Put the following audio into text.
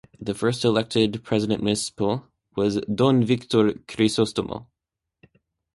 The first elected President Municipal was Don Victor Crisostomo.